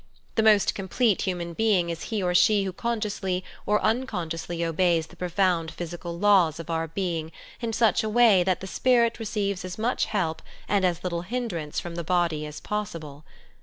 The most complete human being is he or she who consciously^ oi uncon sciously obeys the profound physical laws of our being in such a way that the spirit receives as much help and as little hindrance from the body as possible.